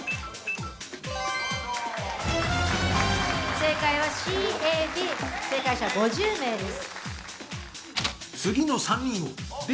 正解はＣＡＢ、正解者５０名です。